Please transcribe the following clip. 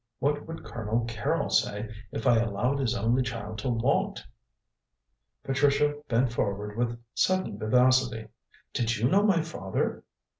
"What would Colonel Carrol say if I allowed his only child to want?" Patricia bent forward with sudden vivacity. "Did you know my father?"